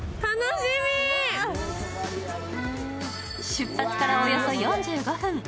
出発からおよそ４５分。